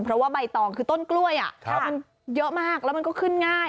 เพราะว่าใบตองคือต้นกล้วยมันเยอะมากแล้วมันก็ขึ้นง่าย